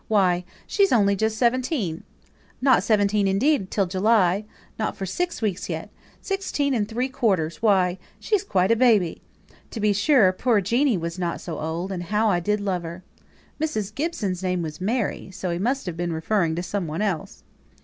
Why, she's only just seventeen, not seventeen, indeed, till July; not for six weeks yet. Sixteen and three quarters! Why, she's quite a baby. To be sure poor Jeanie was not so old, and how I did love her!" (Mrs. Gibson's name was Mary, so he must have been referring to some one else.)